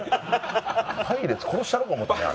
パイレーツ殺したろか思ったねあれ。